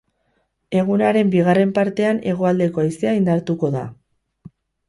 Egunaren bigarren partean hegoaldeko haizea indartuko da.